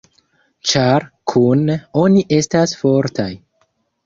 Ĉar kune oni estas fortaj.